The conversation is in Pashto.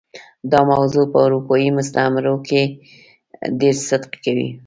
دا موضوع په اروپايي مستعمرو کې ډېر صدق کوي.